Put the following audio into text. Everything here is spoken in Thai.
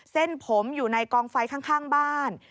เส้นผมอยู่ในกองไฟข้างบ้าน